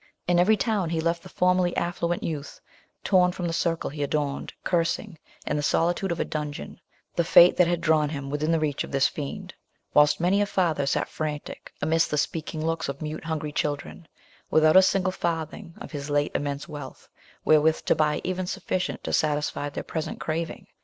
In every town, he left the formerly affluent youth, torn from the circle he adorned, cursing, in the solitude of a dungeon, the fate that had drawn him within the reach of this fiend; whilst many a father sat frantic, amidst the speaking looks of mute hungry children, without a single farthing of his late immense wealth, wherewith to buy even sufficient to satisfy their present craving.